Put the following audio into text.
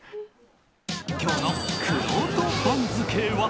今日のくろうと番付は